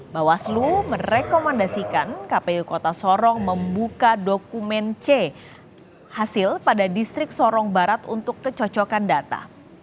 bawaslu merekomendasikan kpu kota sorong membuka dokumen c hasil pada distrik sorong barat untuk kecocokan data